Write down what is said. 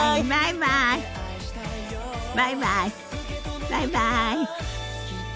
バイバイバイバイ。